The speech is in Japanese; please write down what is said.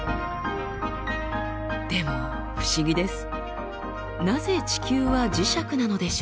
でも不思議です。